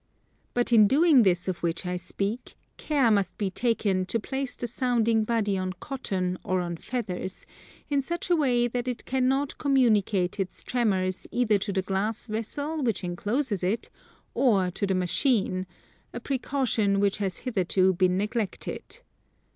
But in doing this of which I speak, care must be taken to place the sounding body on cotton or on feathers, in such a way that it cannot communicate its tremors either to the glass vessel which encloses it, or to the machine; a precaution which has hitherto been neglected.